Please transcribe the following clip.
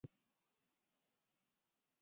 内藤胜介是日本战国时代武将。